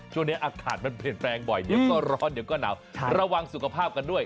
ช่วงนี้อากาศมันเปลี่ยนแปลงบ่อยเดี๋ยวก็ร้อนเดี๋ยวก็หนาวระวังสุขภาพกันด้วย